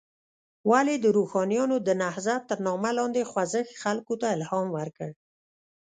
ولې د روښانیانو د نهضت تر نامه لاندې خوځښت خلکو ته الهام ورکړ.